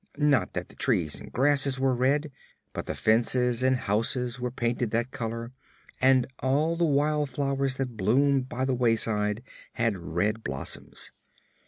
Not that the trees and grasses were red, but the fences and houses were painted that color and all the wild flowers that bloomed by the wayside had red blossoms.